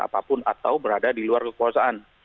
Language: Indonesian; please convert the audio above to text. apapun atau berada di luar kekuasaan